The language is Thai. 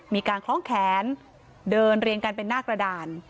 คล้องแขนเดินเรียงกันเป็นหน้ากระดาน